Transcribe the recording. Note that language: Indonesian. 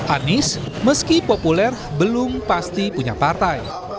anies meski populer belum pasti punya partai